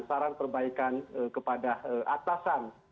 saran perbaikan kepada atasan